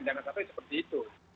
jangan sampai seperti itu